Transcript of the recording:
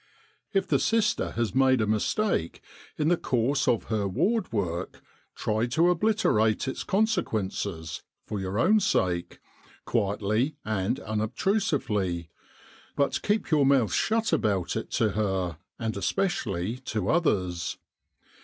"If the sister has made a mistake in the course of her ward work, try to obliterate its consequences, for your own sake, quietly and unobtrusively; but keep your mouth shut about it to her, and especially to others.